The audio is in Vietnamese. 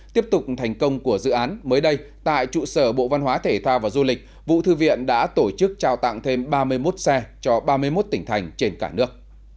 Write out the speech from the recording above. tiếp tục thành công của dự án mới đây tại trụ sở bộ văn hóa thể thao và du lịch vụ thư viện đã tổ chức trao tặng thêm ba mươi một xe cho ba mươi một tỉnh thành trên cả nước